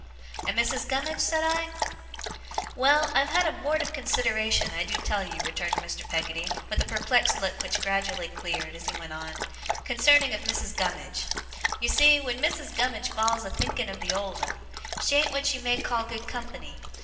'And Mrs. Gummidge?' said I. 'Well, I've had a mort of consideration, I do tell you,' returned Mr. Peggotty, with a perplexed look which gradually cleared as he went on, 'concerning of Missis Gummidge. You see, wen Missis Gummidge falls a thinking of the old 'un, she an't what you may call good company.